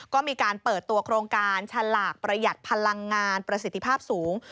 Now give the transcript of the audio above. ก็มีการเปิดตัวโครงการฉลากประหยัดพลังงานประสิทธิภาพสูง